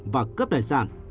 và cướp đài sản